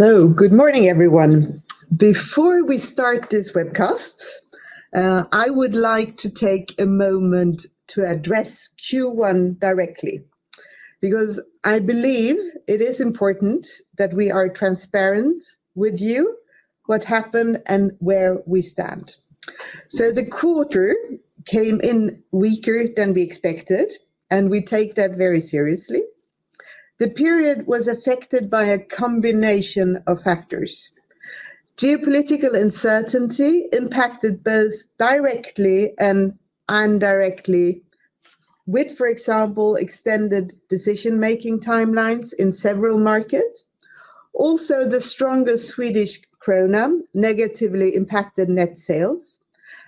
Good morning everyone. Before we start this webcast, I would like to take a moment to address Q1 directly, because I believe it is important that we are transparent with you what happened and where we stand. The quarter came in weaker than we expected, and we take that very seriously. The period was affected by a combination of factors. Geopolitical uncertainty impacted both directly and indirectly with, for example, extended decision-making timelines in several markets. Also, the stronger Swedish krona negatively impacted net sales,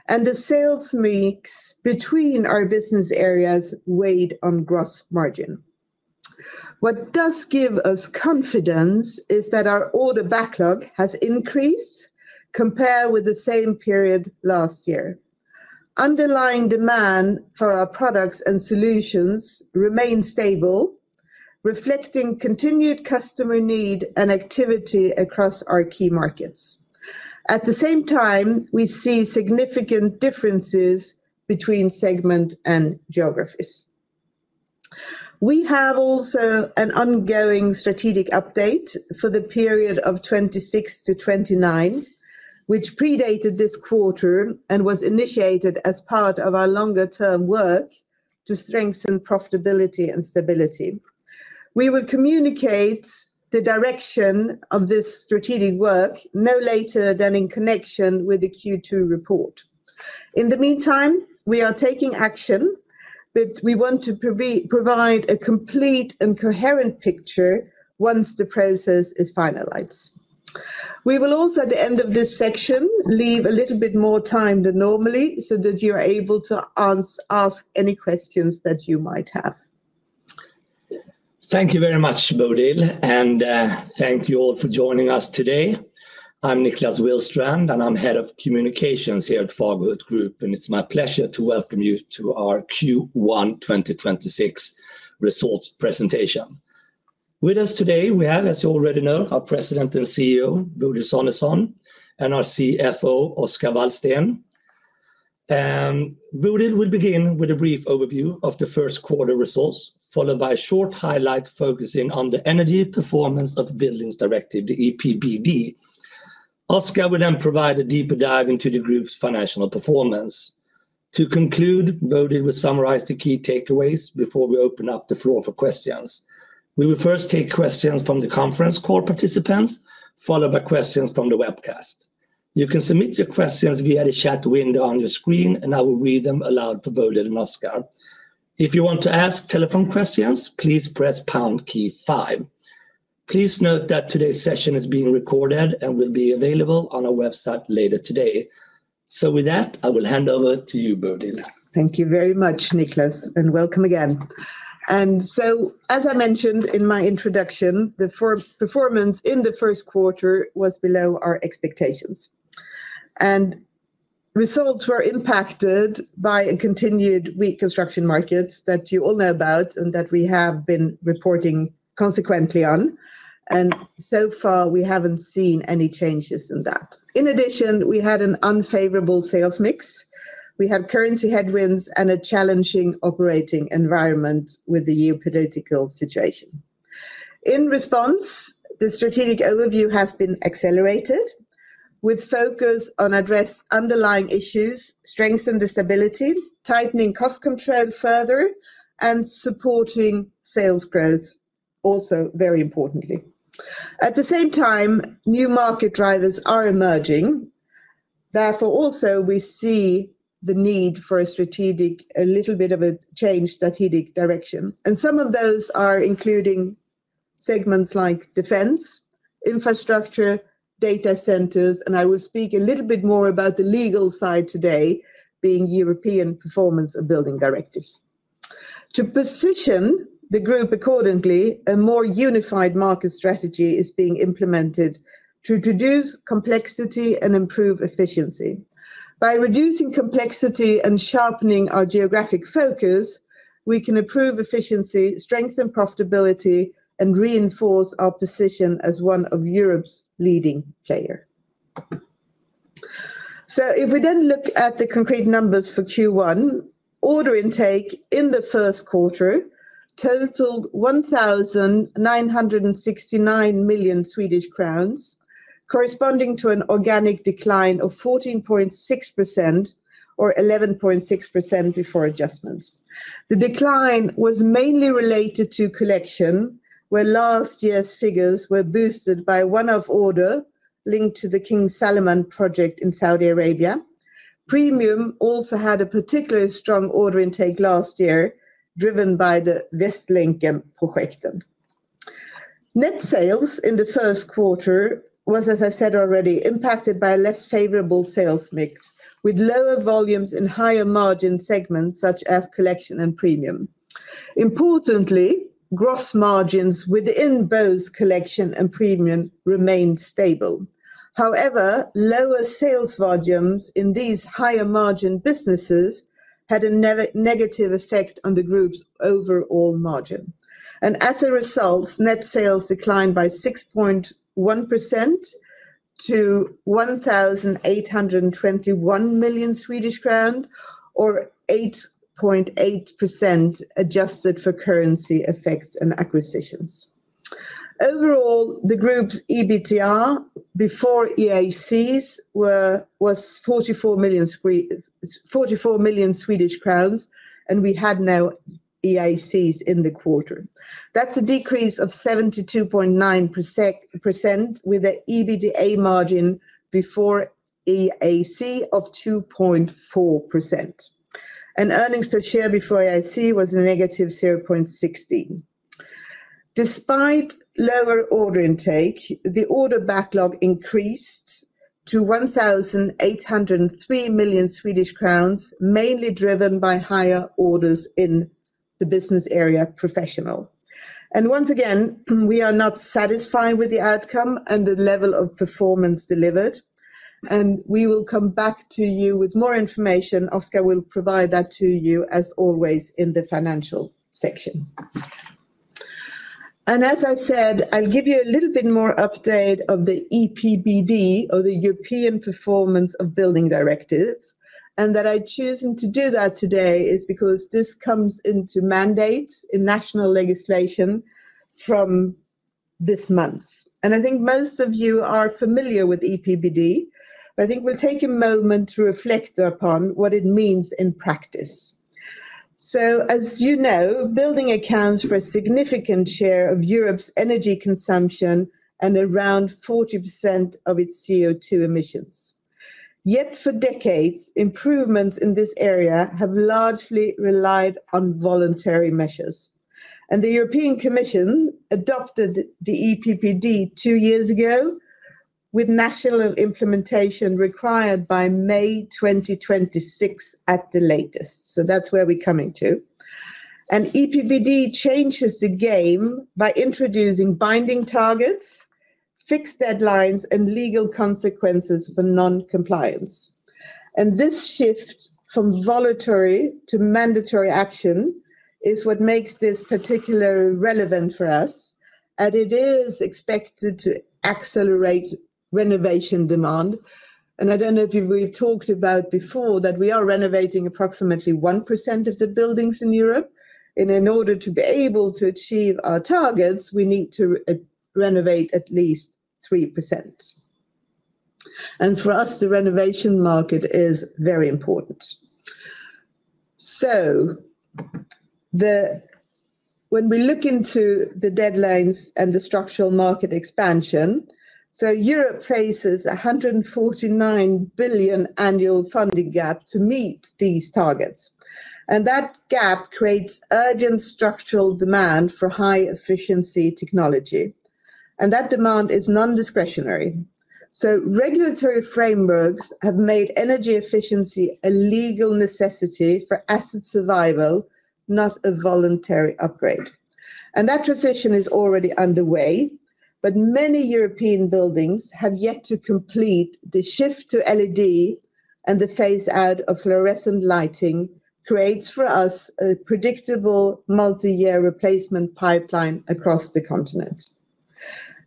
and the sales mix between our business areas weighed on gross margin. What does give us confidence is that our order backlog has increased compared with the same period last year. Underlying demand for our products and solutions remain stable, reflecting continued customer need and activity across our key markets. At the same time, we see significant differences between segment and geographies. We have an ongoing strategic update for the period of 2026-2029, which predated this quarter and was initiated as part of our longer term work to strengthen profitability and stability. We will communicate the direction of this strategic work no later than in connection with the Q2 report. In the meantime, we are taking action, but we want to provide a complete and coherent picture once the process is finalized. We will also at the end of this section leave a little bit more time than normally so that you're able to ask any questions that you might have. Thank you very much, Bodil. Thank you all for joining us today. I'm Niklas Willstrand, and I'm Head of Communications here at Fagerhult Group. It's my pleasure to welcome you to our Q1 2026 results presentation. With us today we have, as you already know, our President and CEO, Bodil Sonesson, and our CFO, Oscar Wallstén. Bodil will begin with a brief overview of the first quarter results, followed by a short highlight focusing on the Energy Performance of Buildings Directive, the EPBD. Oscar will provide a deeper dive into the group's financial performance. To conclude, Bodil will summarize the key takeaways before we open up the floor for questions. We will first take questions from the conference call participants, followed by questions from the webcast. You can submit your questions via the chat window on your screen, and I will read them aloud for Bodil and Oscar. If you want to ask telephone questions, please press pound key five. Please note that today's session is being recorded and will be available on our website later today. With that, I will hand over to you, Bodil. Thank you very much, Niklas, welcome again. As I mentioned in my introduction, the performance in the 1st quarter was below our expectations. Results were impacted by a continued weak construction markets that you all know about and that we have been reporting consequently on, and so far we haven't seen any changes in that. In addition, we had an unfavorable sales mix. We had currency headwinds and a challenging operating environment with the geopolitical situation. In response, the strategic overview has been accelerated with focus on address underlying issues, strengthen the stability, tightening cost control further, and supporting sales growth also very importantly. At the same time, new market drivers are emerging. Therefore also we see the need for a strategic, a little bit of a changed strategic direction, and some of those are including segments like defense, Infrastructure, data centers, and I will speak a little bit more about the legal side today, being Energy Performance of Buildings Directive. To position the group accordingly, a more unified market strategy is being implemented to reduce complexity and improve efficiency. By reducing complexity and sharpening our geographic focus, we can improve efficiency, strengthen profitability, and reinforce our position as one of Europe's leading player. If we then look at the concrete numbers for Q1, order intake in the first quarter totaled 1,969 million Swedish crowns, corresponding to an organic decline of 14.6% or 11.6% before adjustments. The decline was mainly related to Collection, where last year's figures were boosted by one-off order linked to the King Salman Park in Saudi Arabia. Premium also had a particularly strong order intake last year, driven by the Västlänken project. Net sales in the first quarter, as I said already, impacted by a less favorable sales mix with lower volumes and higher margin segments such as Collection and Premium. Importantly, gross margins within both Collection and Premium remained stable. Lower sales volumes in these higher margin businesses had a negative effect on the group's overall margin. As a result, net sales declined by 6.1% to SEK 1,821 million, or 8.8% adjusted for currency effects and acquisitions. Overall, the group's EBITA before IACs was 44 million, and we had no IACs in the quarter. That's a decrease of 72.9% with an EBITA margin before IAC of 2.4%. Earnings per share before IAC was a negative 0.16. Despite lower order intake, the order backlog increased to 1,803 million Swedish crowns, mainly driven by higher orders in the business area Professional. Once again, we are not satisfied with the outcome and the level of performance delivered, and we will come back to you with more information. Oscar will provide that to you as always in the financial section. As I said, I'll give you a little bit more update of the EPBD or the Energy Performance of Buildings Directive. That I'm choosing to do that today is because this comes into mandate in national legislation from this month. I think most of you are familiar with EPBD, but I think we'll take a moment to reflect upon what it means in practice. As you know, building accounts for a significant share of Europe's energy consumption and around 40% of its CO2 emissions. Yet for decades, improvements in this area have largely relied on voluntary measures. The European Commission adopted the EPBD two years ago with national implementation required by May 2026 at the latest. That's where we're coming to. EPBD changes the game by introducing binding targets, fixed deadlines, and legal consequences for non-compliance. This shift from voluntary to mandatory action is what makes this particularly relevant for us, and it is expected to accelerate renovation demand. I don't know if you've really talked about before that we are renovating approximately 1% of the buildings in Europe, and in order to be able to achieve our targets, we need to re-renovate at least 3%. For us, the renovation market is very important. When we look into the deadlines and the structural market expansion, Europe faces a 149 billion annual funding gap to meet these targets. That gap creates urgent structural demand for high efficiency technology, and that demand is non-discretionary. Regulatory frameworks have made energy efficiency a legal necessity for asset survival, not a voluntary upgrade. That transition is already underway, but many European buildings have yet to complete the shift to LED and the phase out of fluorescent lighting creates for us a predictable multi-year replacement pipeline across the continent.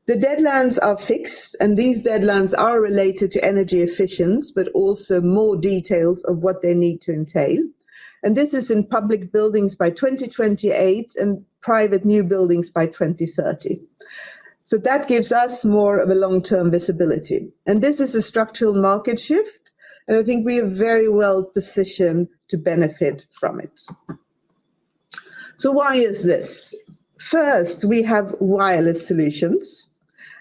The deadlines are fixed, and these deadlines are related to energy efficiency, but also more details of what they need to entail. This is in public buildings by 2028 and private new buildings by 2030. That gives us more of a long-term visibility. This is a structural market shift, and I think we are very well positioned to benefit from it. Why is this? First, we have wireless solutions,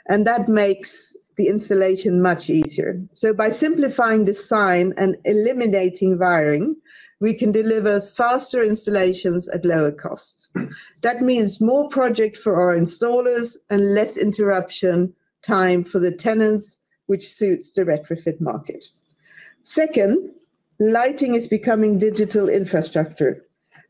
and that makes the installation much easier. By simplifying design and eliminating wiring, we can deliver faster installations at lower costs. That means more project for our installers and less interruption time for the tenants, which suits the retrofit market. Second, lighting is becoming digital infrastructure.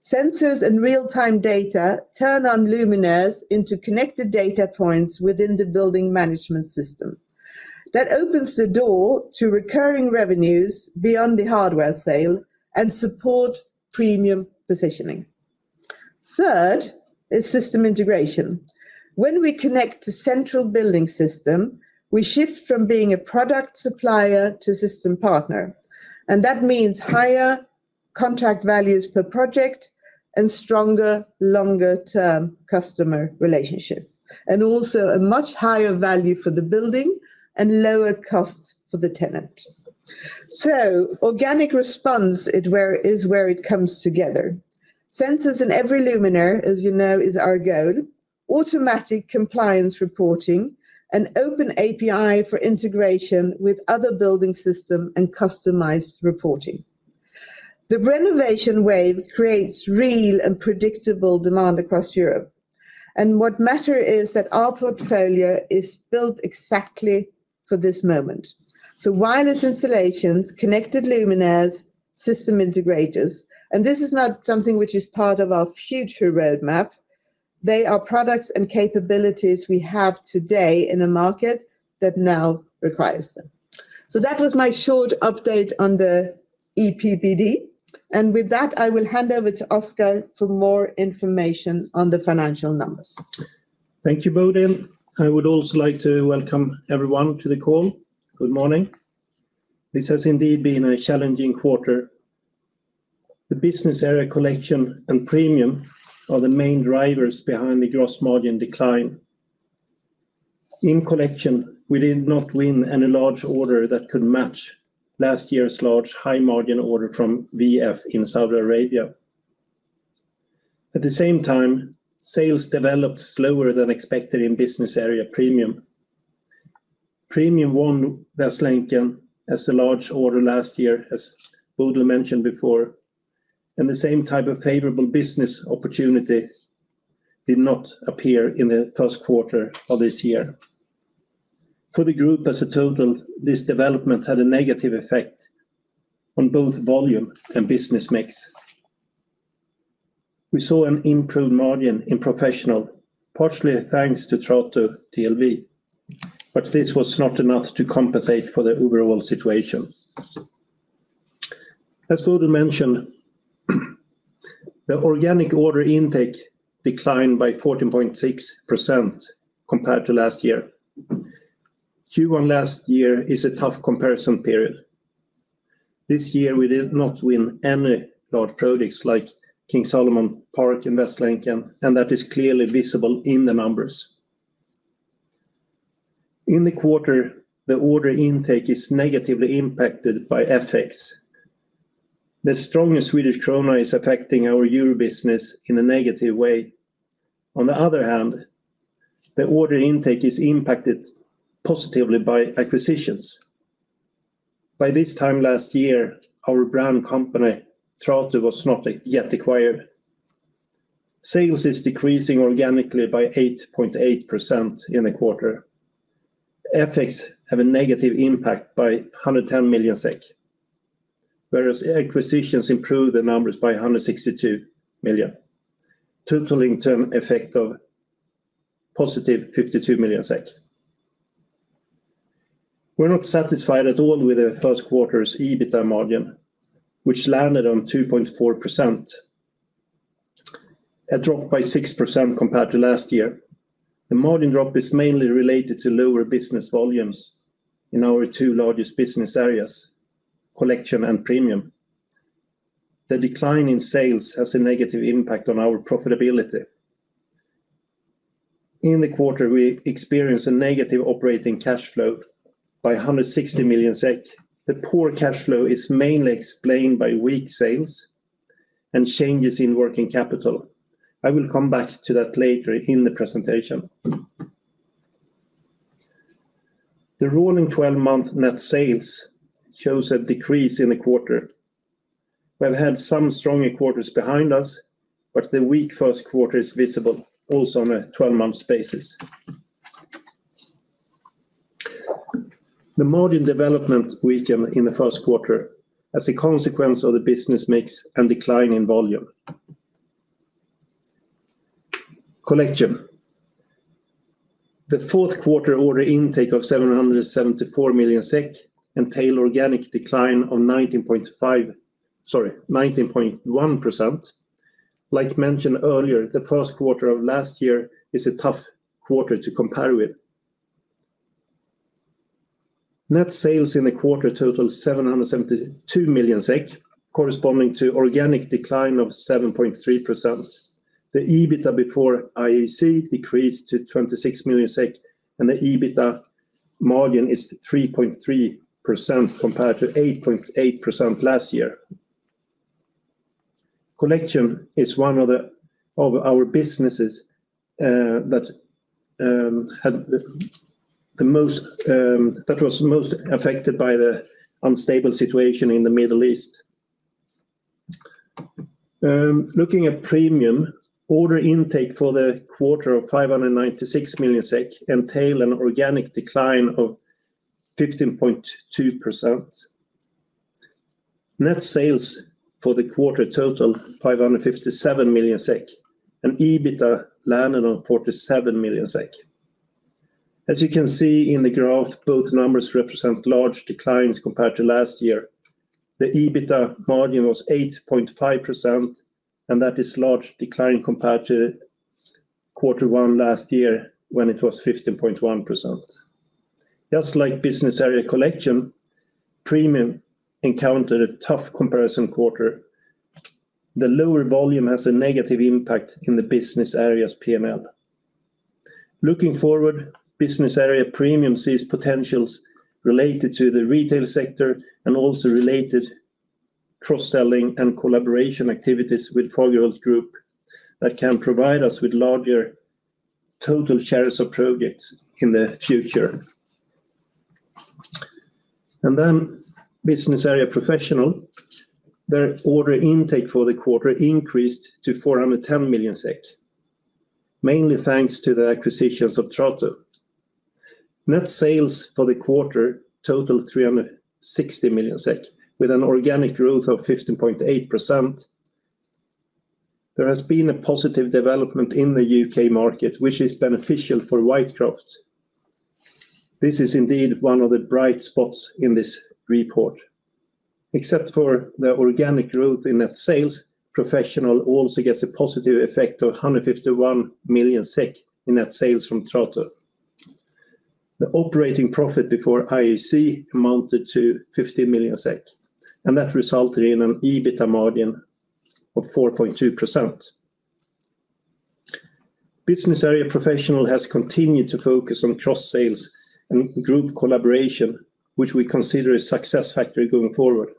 Sensors and real-time data turn on luminaires into connected data points within the building management system. That opens the door to recurring revenues beyond the hardware sale and support Premium positioning. Third is system integration. When we connect to central building system, we shift from being a product supplier to system partner. That means higher contract values per project and stronger, longer term customer relationship. Also, a much higher value for the building and lower cost for the tenant. Organic Response is where it comes together. Sensors in every luminaire, as you know, is our goal, automatic compliance reporting, an open API for integration with other building system and customized reporting. The renovation wave creates real and predictable demand across Europe. What matter is that our portfolio is built exactly for this moment. Wireless installations, connected luminaires, system integrators. This is not something which is part of our future roadmap. They are products and capabilities we have today in a market that now requires them. That was my short update on the EPBD. With that, I will hand over to Oscar for more information on the financial numbers. Thank you, Bodil. I would also like to welcome everyone to the call. Good morning. This has indeed been a challenging quarter. The business area Collection and Premium are the main drivers behind the gross margin decline. In Collection, we did not win any large order that could match last year's large high-margin order from VF in Saudi Arabia. At the same time, sales developed slower than expected in business area Premium. Premium won Västlänken as a large order last year, as Bodil mentioned before, and the same type of favorable business opportunity did not appear in the first quarter of this year. For the group as a total, this development had a negative effect on both volume and business mix. We saw an improved margin in Professional, partially thanks to Trato TLV, but this was not enough to compensate for the overall situation. As Bodil mentioned, the organic order intake declined by 14.6% compared to last year. Q1 last year is a tough comparison period. This year, we did not win any large projects like King Salman Park and Västlänken. That is clearly visible in the numbers. In the quarter, the order intake is negatively impacted by FX. The stronger Swedish krona is affecting our Euro business in a negative way. On the other hand, the order intake is impacted positively by acquisitions. By this time last year, our brand company, Trato TLV was not yet acquired. Sales is decreasing organically by 8.8% in the quarter. FX have a negative impact by 110 million SEK, whereas acquisitions improve the numbers by 162 million, totaling to an effect of +52 million SEK. We're not satisfied at all with the first quarter's EBITA margin, which landed on 2.4%, a drop by 6% compared to last year. The margin drop is mainly related to lower business volumes in our two largest business areas, Collection and Premium. The decline in sales has a negative impact on our profitability. In the quarter, we experienced a negative operating cash flow by 160 million SEK. The poor cash flow is mainly explained by weak sales and changes in working capital. I will come back to that later in the presentation. The rolling 12-month net sales shows a decrease in the quarter. We've had some stronger quarters behind us, the weak first quarter is visible also on a 12-month basis. The margin development weakened in the first quarter as a consequence of the business mix and decline in volume. Collection. The fourth quarter order intake of 774 million SEK entail organic decline of 19.1%. Like mentioned earlier, the first quarter of last year is a tough quarter to compare with. Net sales in the quarter total 772 million SEK, corresponding to organic decline of 7.3%. The EBITA before IAC decreased to 26 million SEK, and the EBITA margin is 3.3% compared to 8.8% last year. Collection is one of our businesses that was most affected by the unstable situation in the Middle East. Looking at Premium, order intake for the quarter of 596 million SEK entail an organic decline of 15.2%. Net sales for the quarter total 557 million SEK, EBITA landed on 47 million SEK. As you can see in the graph, both numbers represent large declines compared to last year. The EBITA margin was 8.5%, that is large decline compared to quarter one last year when it was 15.1%. Just like business area Collection, Premium encountered a tough comparison quarter. The lower volume has a negative impact in the business area's P&L. Looking forward, business area Premium sees potentials related to the retail sector and also related cross-selling and collaboration activities with Fagerhult Group that can provide us with larger total shares of projects in the future. Business Area Professional, their order intake for the quarter increased to 410 million SEK, mainly thanks to the acquisitions of Trato TLV. Net sales for the quarter totaled 360 million SEK with an organic growth of 15.8%. There has been a positive development in the U.K. market, which is beneficial for Whitecroft. This is indeed one of the bright spots in this report. Except for the organic growth in net sales, Professional also gets a positive effect of 151 million SEK in net sales from Trato TLV. The operating profit before IAC amounted to 50 million SEK, and that resulted in an EBITA margin of 4.2%. Business Area Professional has continued to focus on cross sales and group collaboration, which we consider a success factor going forward.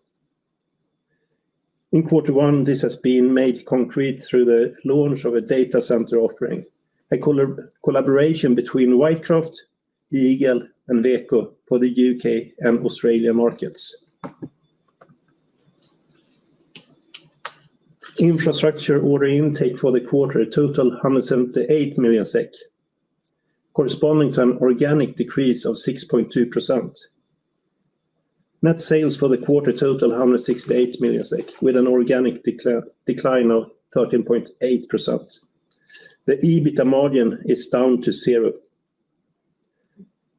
In quarter 1, this has been made concrete through the launch of a data center offering, a collaboration between Whitecroft, Eagle, and Veko for the U.K. and Australia markets. Infrastructure order intake for the quarter totaled 178 million SEK, corresponding to an organic decrease of 6.2%. Net sales for the quarter totaled 168 million SEK with an organic decline of 13.8%. The EBITA margin is down to zero.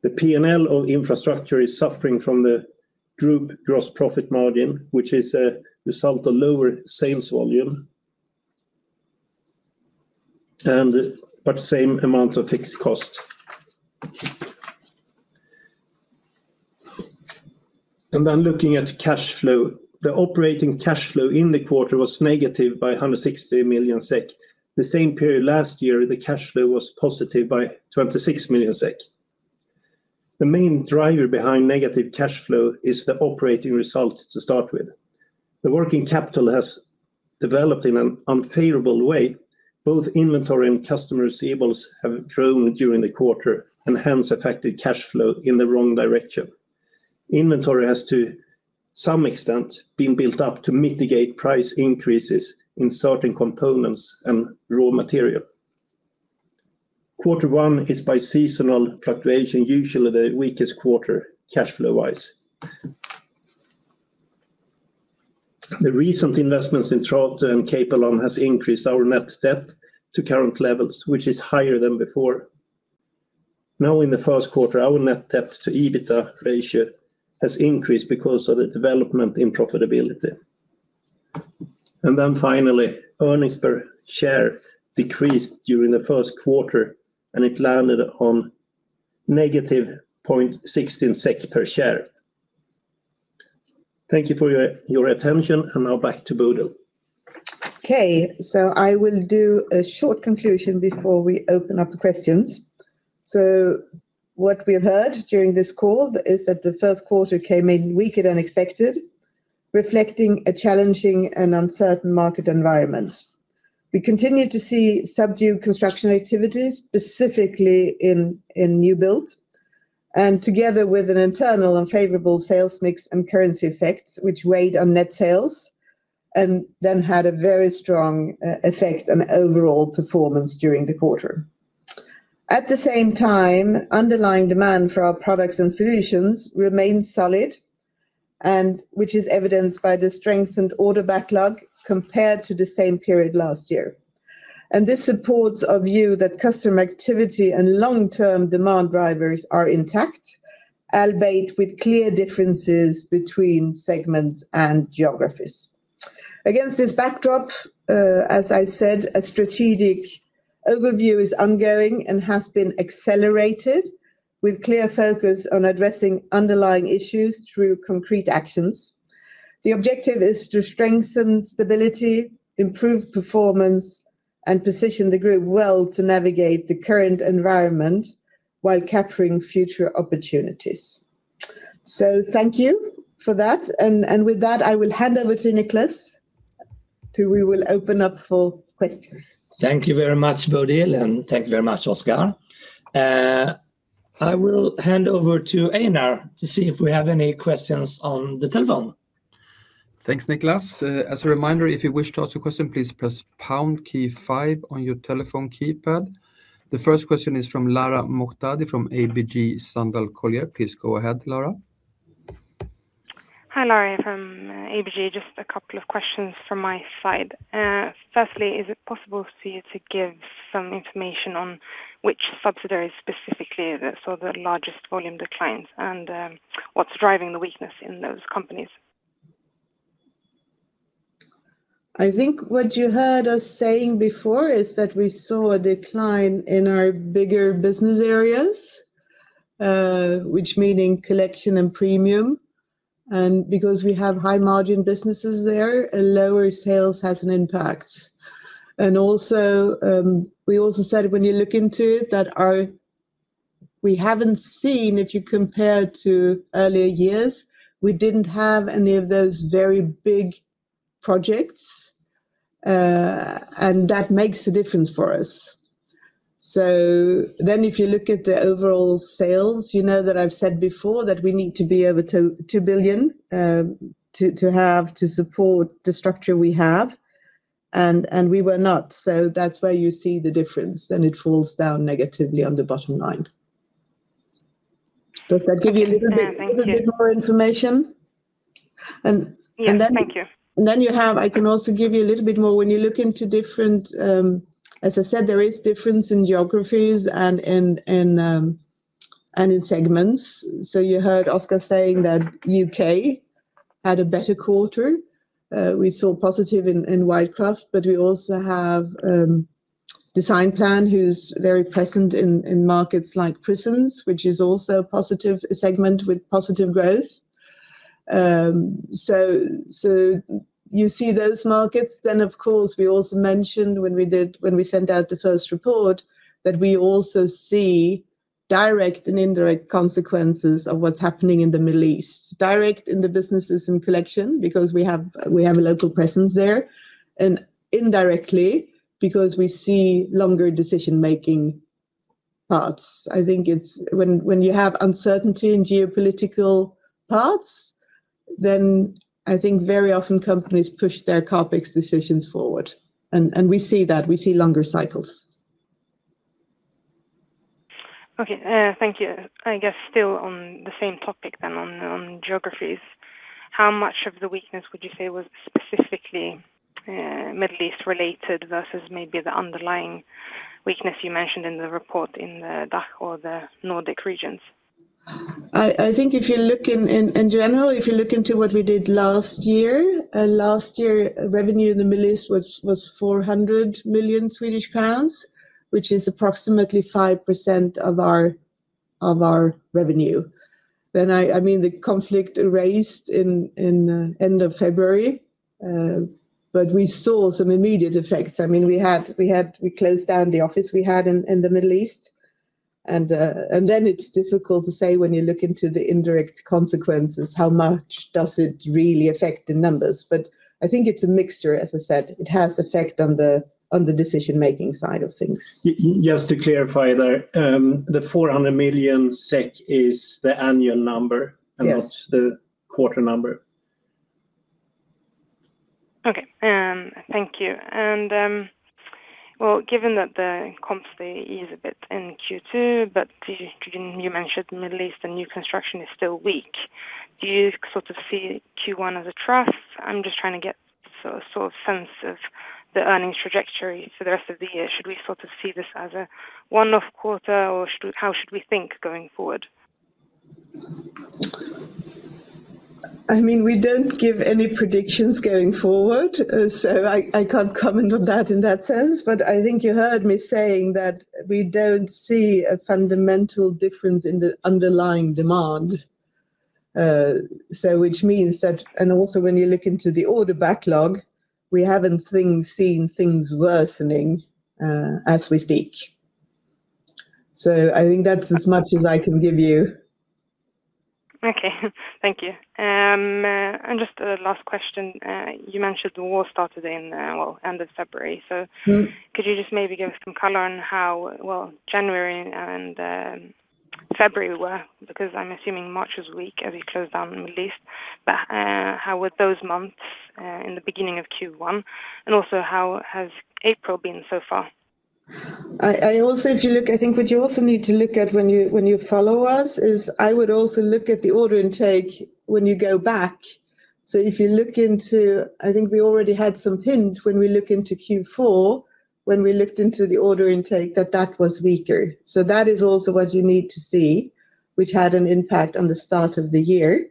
The P&L of Infrastructure is suffering from the group gross profit margin, which is a result of lower sales volume but same amount of fixed cost. Looking at cash flow, the operating cash flow in the quarter was negative by 160 million SEK. The same period last year, the cash flow was positive by 26 million SEK. The main driver behind negative cash flow is the operating result to start with. The working capital has developed in an unfavorable way. Both inventory and customer receivables have grown during the quarter and hence affected cash flow in the wrong direction. Inventory has to some extent been built up to mitigate price increases in certain components and raw material. Quarter one is by seasonal fluctuation, usually the weakest quarter cash flow wise. The recent investments in Trato TLV and Capelon has increased our net debt to current levels, which is higher than before. In the first quarter, our net debt to EBITA ratio has increased because of the development in profitability. Finally, earnings per share decreased during the first quarter, and it landed on -0.16 SEK per share. Thank you for your attention, and now back to Bodil. I will do a short conclusion before we open up the questions. What we have heard during this call is that the first quarter came in weaker than expected, reflecting a challenging and uncertain market environment. We continue to see subdued construction activities, specifically in new build, together with an internal unfavorable sales mix and currency effects, which weighed on net sales, then had a very strong effect on overall performance during the quarter. At the same time, underlying demand for our products and solutions remains solid and which is evidenced by the strengthened order backlog compared to the same period last year. This supports a view that customer activity and long-term demand drivers are intact, albeit with clear differences between segments and geographies. Against this backdrop, as I said, a strategic overview is ongoing and has been accelerated with clear focus on addressing underlying issues through concrete actions. The objective is to strengthen stability, improve performance, and position the group well to navigate the current environment while capturing future opportunities. Thank you for that, and with that, I will hand over to Niklas, we will open up for questions. Thank you very much, Bodil, and thank you very much, Oscar. I will hand over to Einar to see if we have any questions on the telephone. Thanks, Niklas. As a reminder, if you wish to ask a question, please press pound key 5 on your telephone keypad. The first question is from Lara Mohtadi from ABG Sundal Collier. Please go ahead, Lara. Hi, Lara from ABG. Just a couple of questions from my side. Firstly, is it possible for you to give some information on which subsidiaries specifically saw the largest volume declines and what's driving the weakness in those companies? I think what you heard us saying before is that we saw a decline in our bigger business areas, which meaning Collection and Premium. Because we have high margin businesses there, a lower sales has an impact. We also said when you look into it that we haven't seen, if you compare to earlier years, we didn't have any of those very big projects, and that makes a difference for us. If you look at the overall sales, you know that I've said before that we need to be over 2 billion to have to support the structure we have, and we were not. That's where you see the difference, then it falls down negatively on the bottom line. Does that give you a little bit? Yeah. Thank you. a little bit more information? Yes, thank you. I can also give you a little bit more. You look into different, As I said, there is difference in geographies and in segments. You heard Oscar saying that U.K. had a better quarter. We saw positive in Whitecroft, but we also have Designplan who is very present in markets like prisons, which is also a positive segment with positive growth. You see those markets. Of course, we also mentioned when we sent out the first report, that we also see direct and indirect consequences of what's happening in the Middle East. Direct in the businesses and Collection because we have a local presence there, and indirectly because we see longer decision-making parts. I think it's when you have uncertainty in geopolitical parts, I think very often companies push their CapEx decisions forward. We see that, we see longer cycles. Okay. Thank you. I guess still on the same topic on geographies, how much of the weakness would you say was specifically Middle East related versus maybe the underlying weakness you mentioned in the report in the DACH or the Nordic regions? I think if you look in general, if you look into what we did last year, last year revenue in the Middle East was 400 million Swedish crowns, which is approximately 5% of our revenue. I mean, the conflict arose in end of February, we saw some immediate effects. I mean, we closed down the office we had in the Middle East. It's difficult to say when you look into the indirect consequences, how much does it really affect the numbers? I think it's a mixture, as I said. It has effect on the decision-making side of things. Just to clarify there, the 400 million SEK is the annual. Yes Not the quarter number. Okay. Thank you. Well, given that the conflict eased a bit in Q2, but you mentioned the Middle East and new construction is still weak, do you sort of see Q1 as a trough? I am just trying to get sort of sense of the earnings trajectory for the rest of the year. Should we sort of see this as a one-off quarter or how should we think going forward? I mean, we don't give any predictions going forward. I can't comment on that in that sense. I think you heard me saying that we don't see a fundamental difference in the underlying demand. Which means that when you look into the order backlog, we haven't seen things worsening as we speak. I think that's as much as I can give you. Okay. Thank you. Just a last question. You mentioned the war started in end of February. Could you just maybe give us some color on how, well, January and February were? I'm assuming March was weak as you closed down in the Middle East. How were those months in the beginning of Q1? Also, how has April been so far? I also, if you look, I think what you also need to look at when you follow us, is I would also look at the order intake when you go back. If you look into I think we already had some hint when we look into Q4, when we looked into the order intake, that that was weaker. That is also what you need to see, which had an impact on the start of the year.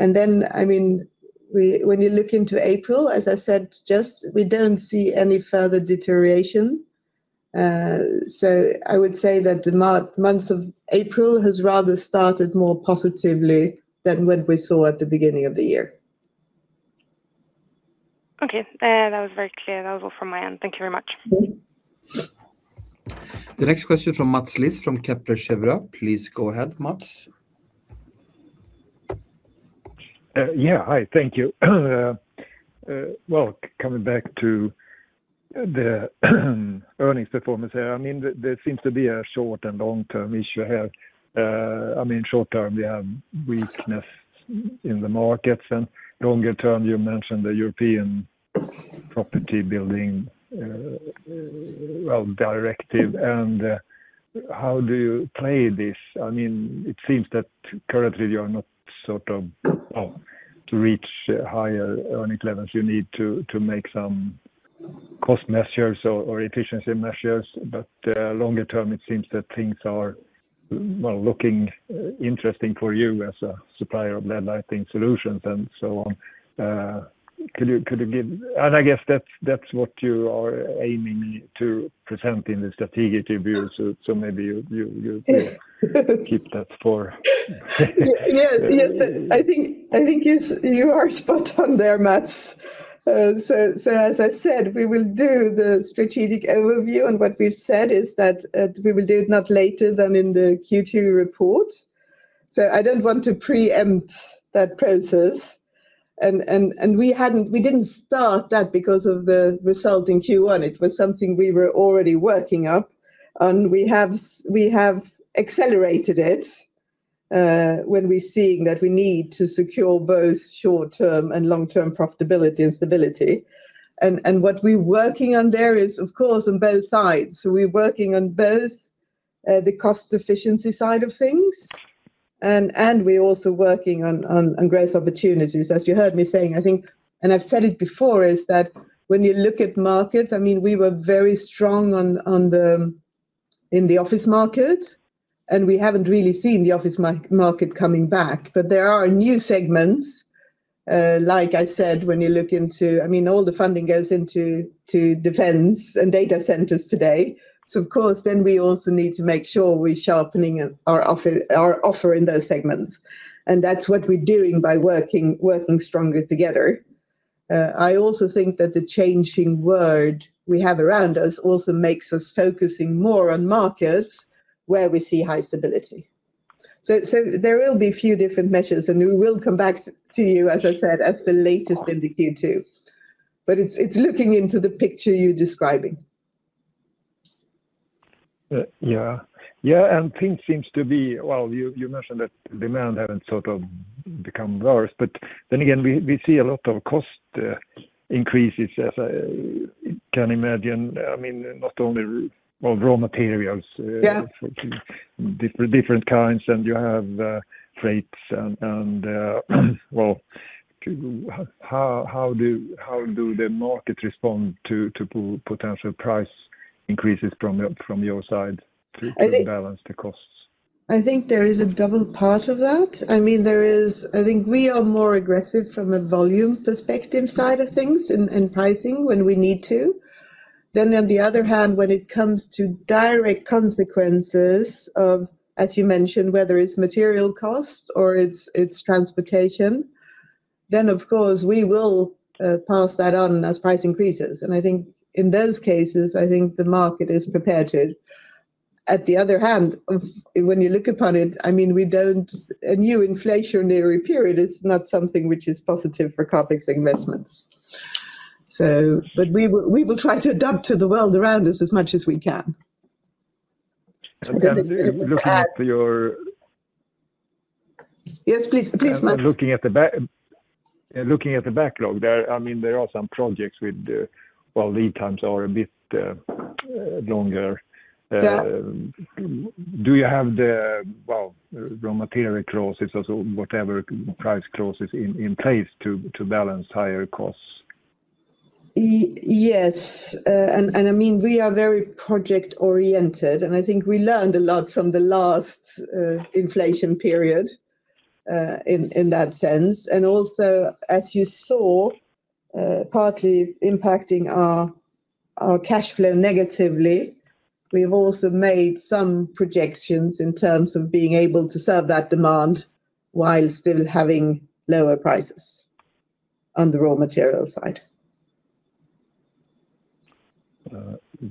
I mean, when you look into April, as I said just, we don't see any further deterioration. I would say that the month of April has rather started more positively than what we saw at the beginning of the year. Okay. That was very clear. That was all from my end. Thank you very much. The next question from Mats Liss from Kepler Cheuvreux. Please go ahead, Mats. Hi, thank you. Well, coming back to the earnings performance here, I mean, there seems to be a short and long-term issue here. I mean, short term, we have weakness in the markets. Longer term, you mentioned the Energy Performance of Buildings Directive. How do you play this? I mean, it seems that currently you are not sort of, to reach higher earning levels, you need to make some cost measures or efficiency measures. Longer term, it seems that things are, well, looking interesting for you as a supplier of LED lighting solutions and so on. I guess that's what you are aiming to present in the strategic review, so maybe you. Yeah. keep that for. Yes, I think, I think you are spot on there, Mats Liss. As I said, we will do the strategic overview, and what we've said is that, we will do it not later than in the Q2 report. I don't want to preempt that process. We hadn't, we didn't start that because of the result in Q1. It was something we were already working up, and we have accelerated it, when we're seeing that we need to secure both short-term and long-term profitability and stability. What we're working on there is, of course, on both sides. We're working on both, the cost efficiency side of things and we're also working on growth opportunities. As you heard me saying, I think, and I've said it before, is that when you look at markets, I mean, we were very strong in the office market, we haven't really seen the office market coming back. There are new segments, like I said, when you look into I mean, all the funding goes into defense and data centers today. Of course, we also need to make sure we're sharpening our offer in those segments, and that's what we're doing by working stronger together. I also think that the changing world we have around us also makes us focusing more on markets where we see high stability. There will be a few different measures, and we will come back to you, as I said, as the latest in the Q2. It's looking into the picture you're describing. Yeah. Yeah, things seems to be Well, you mentioned that demand haven't sort of become worse, but then again, we see a lot of cost, increases, as I can imagine, I mean, not only raw materials. Yeah different kinds. You have freights and, well, how do the market respond to potential price increases from your side? I think- to balance the costs? I think there is a double part of that. I mean, I think we are more aggressive from a volume perspective side of things and pricing when we need to. On the other hand, when it comes to direct consequences of, as you mentioned, whether it's material costs or it's transportation, then of course we will pass that on as price increases. I think in those cases, I think the market is prepared to. At the other hand of, when you look upon it, I mean, we don't. A new inflationary period is not something which is positive for CapEx investments. We will try to adapt to the world around us as much as we can. And then looking at your- Yes, please. Please, Mats Looking at the backlog there, I mean, there are some projects with, well, lead times are a bit longer. Yeah Do you have the, well, raw material clauses or whatever price clauses in place to balance higher costs? Yes. I mean, we are very project oriented, and I think we learned a lot from the last inflation period in that sense. Also, as you saw, partly impacting our cash flow negatively, we've also made some projections in terms of being able to serve that demand while still having lower prices on the raw material side.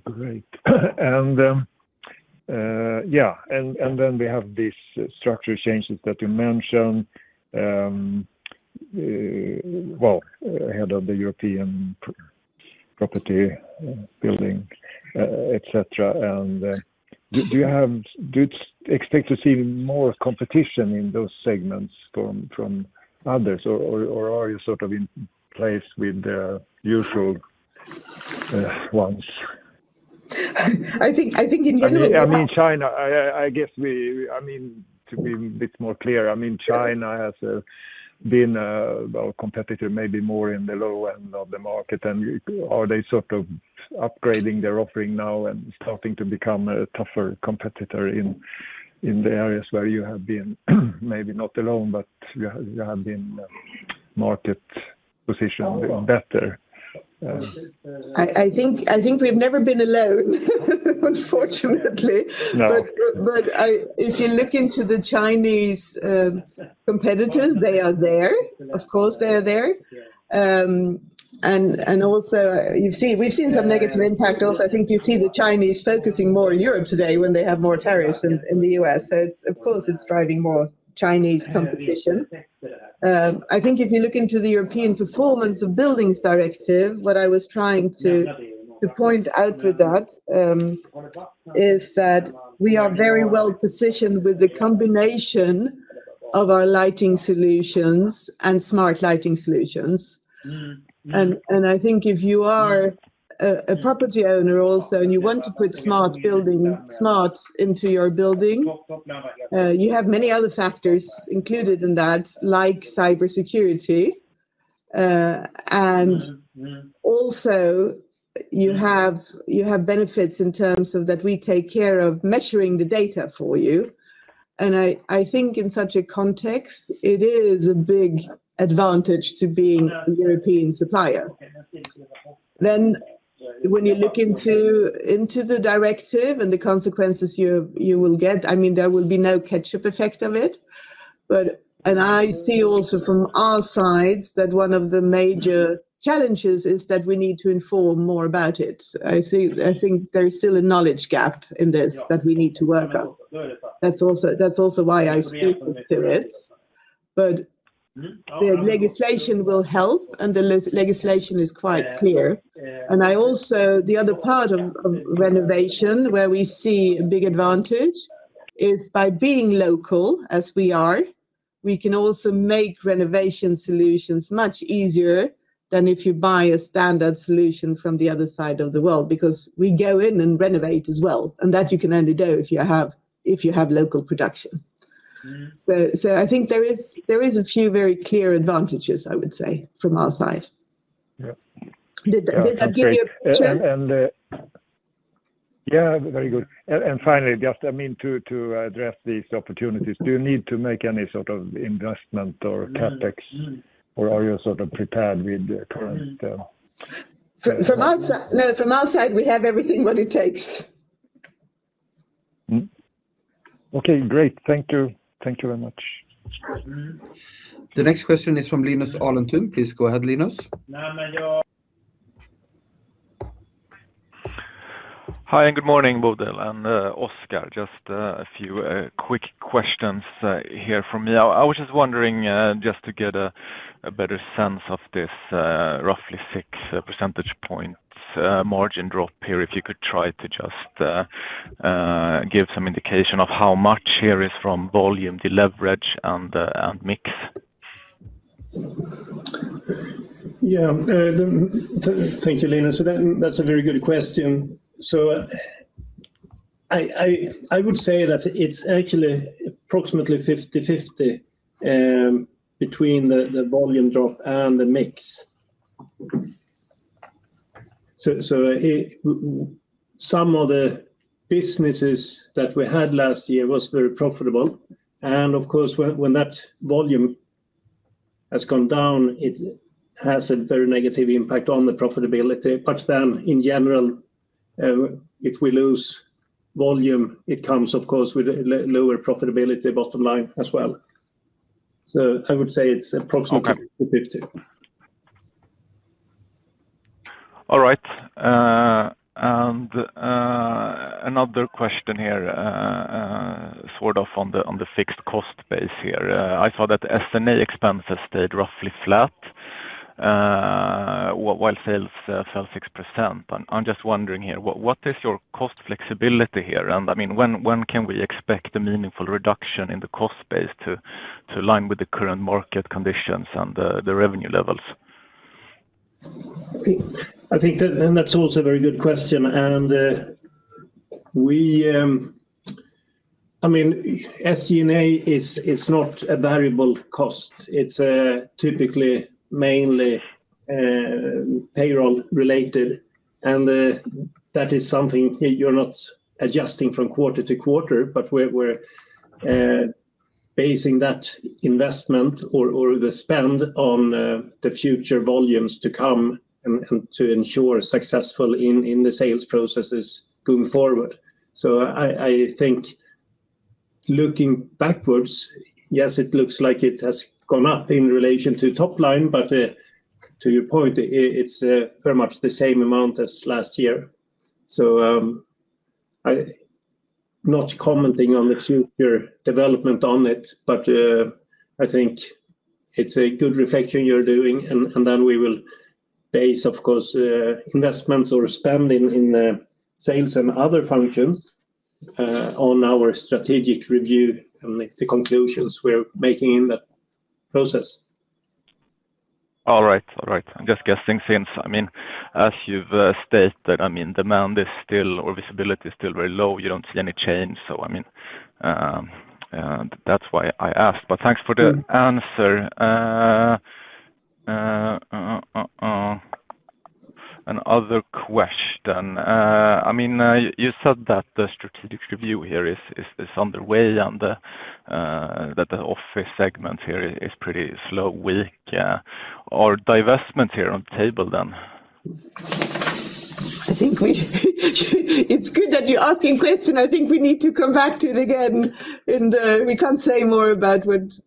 Great. Yeah. Then we have these structure changes that you mentioned, well, ahead of the European property building, et cetera. Do you expect to see more competition in those segments from others? Or are you sort of in place with the usual ones? I think in general. I mean China, I guess we, to be a bit more clear, I mean, China has been a competitor maybe more in the low end of the market. Are they sort of upgrading their offering now and starting to become a tougher competitor in the areas where you have been, maybe not alone, but you have been market positioned better? I think we've never been alone, unfortunately. No. If you look into the Chinese competitors, they are there. Of course, they are there. We've seen some negative impact also. I think you see the Chinese focusing more in Europe today when they have more tariffs in the U.S. It's, of course, it's driving more Chinese competition. I think if you look into the Energy Performance of Buildings Directive, what I was trying to point out with that, is that we are very well positioned with the combination of our lighting solutions and smart lighting solutions. I think if you are a property owner also, and you want to put smart into your building, you have many other factors included in that, like cybersecurity. Also you have benefits in terms of that we take care of measuring the data for you. I think in such a context, it is a big advantage to being a European supplier. When you look into the directive and the consequences you will get, I mean, there will be no catch-up effect of it. I see also from our sides that one of the major challenges is that we need to inform more about it. I think there is still a knowledge gap in this that we need to work on. That's also why I speak to it. But the legislation will help, the legislation is quite clear. Yeah. I also the other part of renovation where we see a big advantage is by being local, as we are, we can also make renovation solutions much easier than if you buy a standard solution from the other side of the world because we go in and renovate as well, and that you can only do if you have local production. I think there is a few very clear advantages, I would say, from our side. Yeah. Did that give you. Okay. Sure yeah, very good. Finally, just, I mean, to address these opportunities, do you need to make any sort of investment or CapEx? Mm. Mm. Are you sort of prepared with the current? From our side, we have everything what it takes. Mm-hmm. Okay. Great. Thank you. Thank you very much. The next question is from Linus Alentun. Please go ahead, Linus. Good morning Bodil and Oscar. Just a few quick questions here from me. I was just wondering, just to get a better sense of this roughly 6 percentage points margin drop here, if you could try to just give some indication of how much here is from volume deleverage and mix. Thank you, Linus. That's a very good question. I would say that it's actually approximately 50/50 between the volume drop and the mix. Some of the businesses that we had last year was very profitable, and of course, when that volume has gone down, it has a very negative impact on the profitability. In general, if we lose volume, it comes of course with a lower profitability bottom line as well. Okay 50/50. All right. Another question here, sort of on the fixed cost base here. I saw that the SG&A expenses stayed roughly flat, while sales fell 6%. I'm just wondering here, what is your cost flexibility here? I mean, when can we expect a meaningful reduction in the cost base to align with the current market conditions and the revenue levels? I think that's also a very good question. We, I mean, SG&A is not a variable cost. It's typically mainly payroll related, that is something you're not adjusting from quarter to quarter. We're basing that investment or the spend on the future volumes to come and to ensure successful in the sales processes going forward. I think looking backwards, yes, it looks like it has gone up in relation to top line. To your point, it's very much the same amount as last year. I'm Not commenting on the future development on it, I think it's a good reflection you're doing. We will base, of course, investments or spending in sales and other functions on our strategic review and the conclusions we're making in that process. All right. All right. I'm just guessing since, I mean, as you've stated, I mean, demand is still or visibility is still very low. You don't see any change. I mean, that's why I asked. Thanks for the answer. Another question. I mean, you said that the strategic review here is underway and that the office segment here is pretty slow, weak. Are divestment here on the table then? It's good that you're asking question. I think we need to come back to it again. We can't say more about what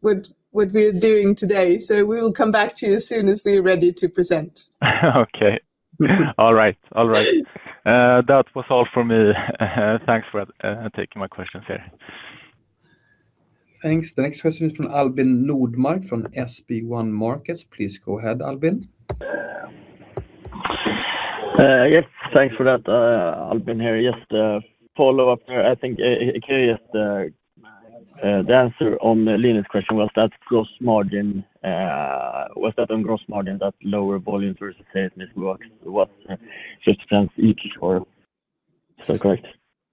we are doing today. We will come back to you as soon as we are ready to present. Okay. All right. All right. That was all for me. Thanks for, taking my questions here. Thanks. The next question is from Albin Nordmark from SB1 Markets. Please go ahead, Albin. Yes, thanks for that. Albin here. Just a follow-up here. I think, here is the answer on Linus' question. Was that on gross margin, that lower volume versus sales mix was 50% each, or is that correct?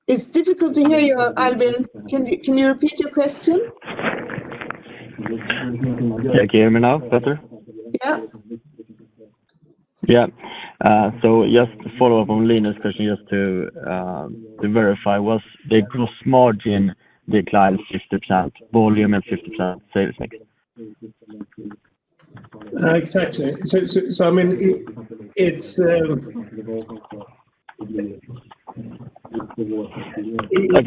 It's difficult to hear you, Albin. Can you repeat your question? Yeah. Can you hear me now better? Yeah. Yeah. Just to follow up on Linus' question, just to verify, was the gross margin decline 50%, volume at 50%, sales mix? Exactly. I mean, it's. Okay.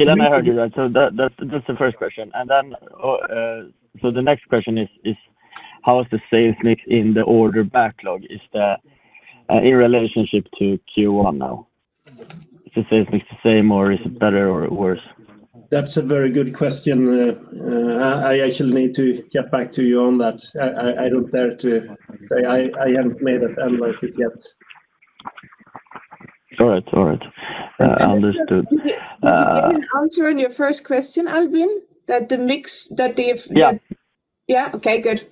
Then I heard you right. That's the first question. The next question is how is the sales mix in the order backlog? Is that in relationship to Q1 now? Is it basically the same or is it better or worse? That's a very good question. I actually need to get back to you on that. I don't dare to say I haven't made that analysis yet. All right. Understood. We gave an answer on your first question, Albin. Yeah. Yeah? Okay, good.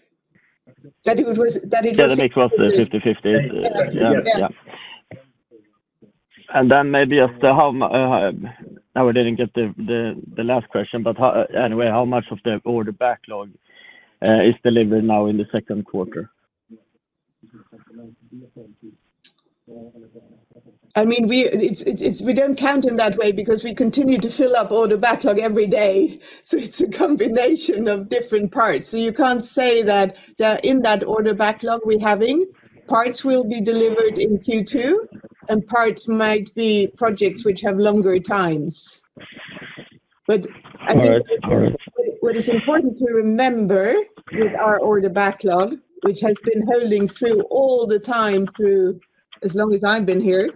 That it was. Yeah, the mix was 50/50. Yeah. Yeah. Maybe after how now we didn't get the last question, but anyway, how much of the order backlog is delivered now in the second quarter? I mean, we don't count in that way because we continue to fill up order backlog every day, so it's a combination of different parts. You can't say that in that order backlog we have, parts will be delivered in Q2 and parts might be projects which have longer times. All right. All right. What is important to remember with our order backlog, which has been holding through all the time through as long as I've been here,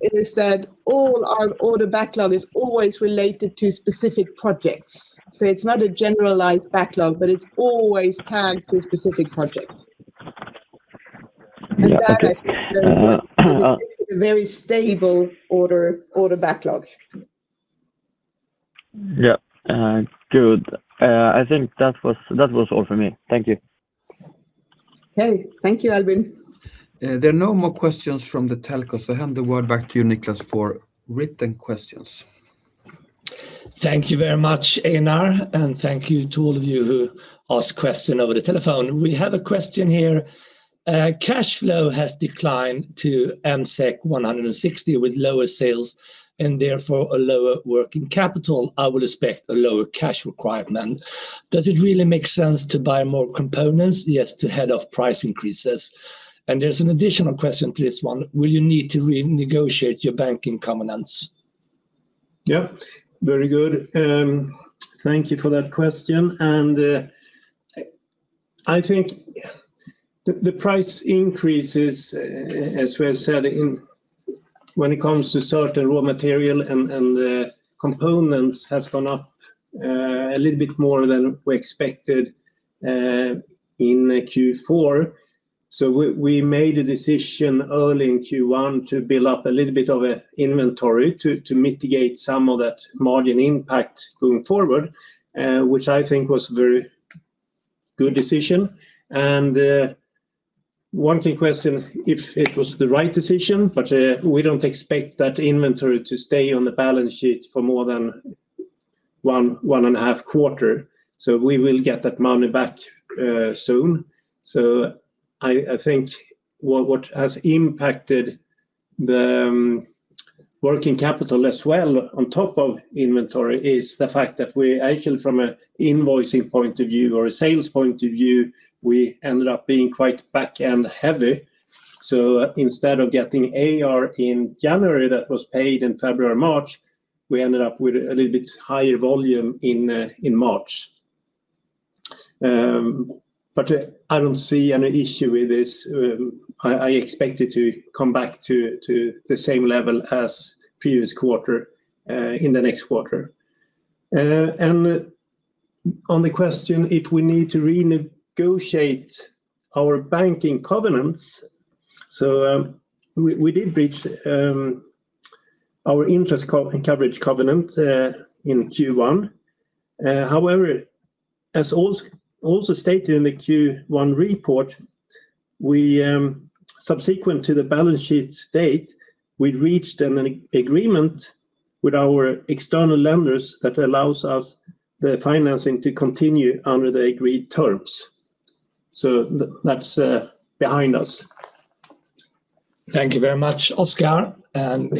is that all our order backlog is always related to specific projects. It's not a generalized backlog, but it's always tagged to a specific project. Yeah. Okay. That makes a very stable order backlog. Yeah. Good. I think that was all for me. Thank you. Okay. Thank you, Albin. There are no more questions from the telcos. I hand the word back to you, Niklas, for written questions. Thank you very much, Einar, and thank you to all of you who asked question over the telephone. We have a question here. Cash flow has declined to MSEK 160 with lower sales, and therefore a lower working capital. I would expect a lower cash requirement. Does it really make sense to buy more components, yes, to head off price increases? There's an additional question to this one. Will you need to renegotiate your banking covenants? Yeah. Very good. Thank you for that question. I think the price increases, as we have said in, when it comes to certain raw material and the components, has gone up a little bit more than we expected in Q4. We made a decision early in Q1 to build up a little bit of a inventory to mitigate some of that margin impact going forward, which I think was very good decision. One can question if it was the right decision, but we don't expect that inventory to stay on the balance sheet for more than one and a half quarter. We will get that money back soon. I think what has impacted the working capital as well on top of inventory is the fact that we actually from a invoicing point of view or a sales point of view, we ended up being quite back end heavy. Instead of getting AR in January that was paid in February or March, we ended up with a little bit higher volume in March. I don't see any issue with this. I expect it to come back to the same level as previous quarter in the next quarter. On the question if we need to renegotiate our banking covenants, we did reach our interest co- coverage covenant in Q1. However, as also stated in the Q1 report, we, subsequent to the balance sheet date, we reached an agreement with our external lenders that allows us the financing to continue under the agreed terms. That's behind us. Thank you very much, Oscar.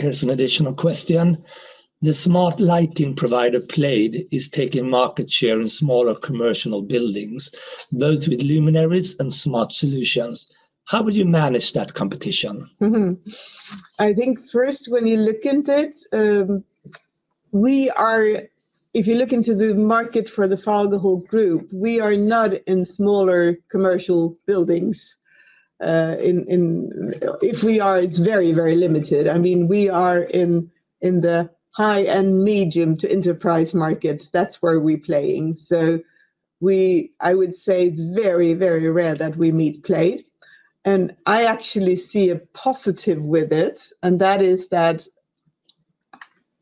Here's an additional question. The smart lighting provider, Plejd, is taking market share in smaller commercial buildings, both with luminaries and smart solutions. How would you manage that competition? I think first when you look into it, if you look into the market for the Fagerhult Group, we are not in smaller commercial buildings. In, if we are, it's very, very limited. I mean, we are in the high and medium to enterprise markets. That's where we playing. We, I would say it's very, very rare that we meet Plejd, and I actually see a positive with it, and that is that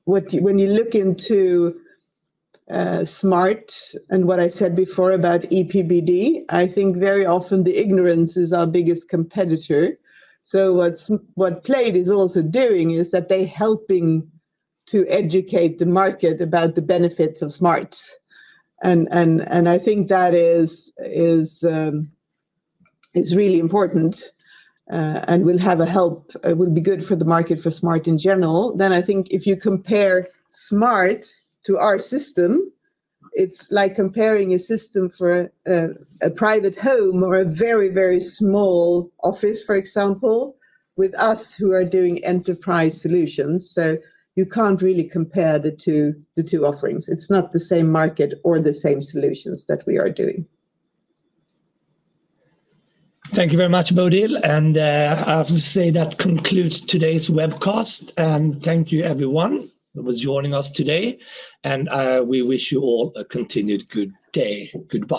when you look into smart and what I said before about EPBD, I think very often the ignorance is our biggest competitor. What Plejd is also doing is that they helping to educate the market about the benefits of smart. I think that is really important and will have a help, will be good for the market for smart in general. I think if you compare smart to our system, it's like comparing a system for a private home or a very small office, for example, with us who are doing enterprise solutions. You can't really compare the two offerings. It's not the same market or the same solutions that we are doing. Thank you very much, Bodil. I have to say that concludes today's webcast. Thank you everyone who was joining us today, and we wish you all a continued good day. Goodbye